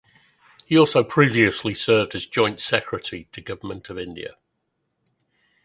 He also previously served as Joint Secretary to Government of India.